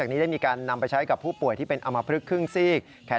นำไปใช้กับผู้ป่วยที่เป็นอมพลึกครึ่งซีก